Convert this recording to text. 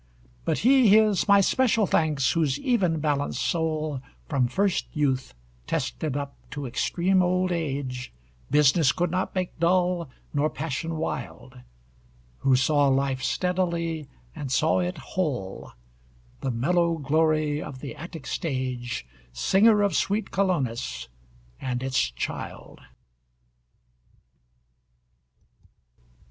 But he his My special thanks, whose even balanced soul, From first youth tested up to extreme old age, Business could not make dull, nor passion wild; Who saw life steadily, and saw it whole; The mellow glory of the Attic stage, Singer of sweet Colonus, and its child.